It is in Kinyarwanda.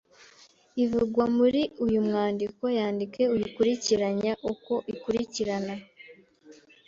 ivugwa muri uyu mwandiko Yandike uyikurikiranya uko ikurikirana